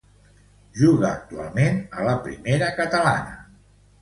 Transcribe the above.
Juga actualment a la Primera Catalana.